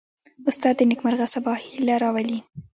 استاد د نیکمرغه سبا هیله راولي.